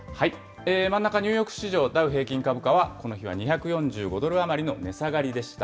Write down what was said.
真ん中、ニューヨーク市場ダウ平均株価は、この日は２４５ドル余りの値下がりでした。